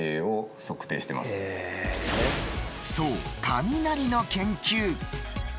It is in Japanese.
そう雷の研究